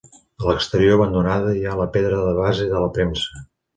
A l'exterior, abandonada, hi ha la pedra de base de la premsa.